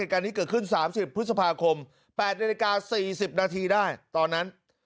การนี้เกิดขึ้น๓๐พฤษภาคม๘นาฬิกา๔๐นาทีได้ตอนนั้น